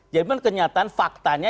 jadi kenyataan faktanya